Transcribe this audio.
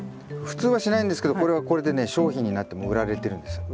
普通はしないんですけどこれはこれでね商品になってもう売られてるんですよ。